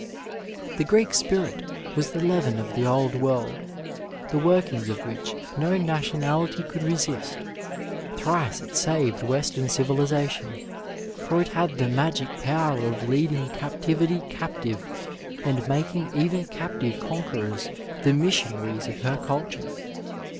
The Greek spirit was the leaven of the dd world, the workings of which no nationality could resist ; thrice it saved western civilisation, for it had the magic power of leading captivity captive and making even captive con querors the missionaries of her culture.